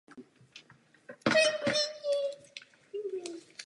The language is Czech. Varování pro tyto státy bylo zrušeno.